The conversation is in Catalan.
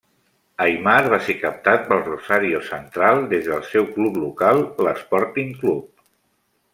Aimar va ser captat pel Rosario Central des del seu club local, l'Sporting Club.